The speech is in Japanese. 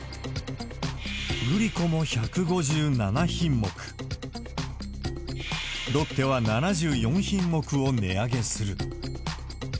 グリコも１５７品目、ロッテは７４品目を値上げする。